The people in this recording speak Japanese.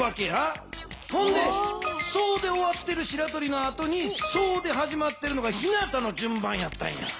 それで「ソ」で終わってるしらとりのあとに「ソ」ではじまってるのがひなたの順番やったんや。